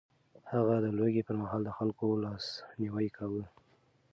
هغه د لوږې پر مهال د خلکو لاسنيوی کاوه.